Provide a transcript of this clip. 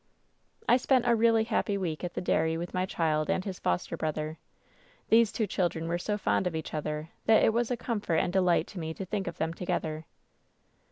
"I spent a really happy week at the dairy with my child and his foster brother. These two children were so fond of each other that it was a comfort and delight to me to think of them together.